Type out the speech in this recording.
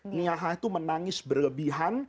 ni'ahah itu menangis berlebihan